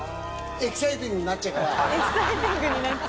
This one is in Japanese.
「エキサイティングになっちゃう」